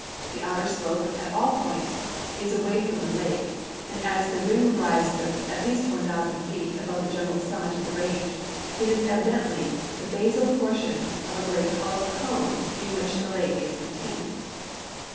The outer slope at all points is away from the lake, and as the rim rises at least 1,000 feet :ii)()ve the general summit of the range, it is evidently the basal portion of a great hollow cone in which the lake is contained.